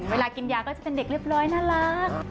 เวลากินยาก็จะเป็นเด็กเรียบร้อยน่ารัก